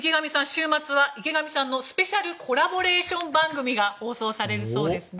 週末は池上さんのスペシャルコラボレーション番組が放送されるそうですね。